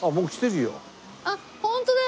あっホントだ！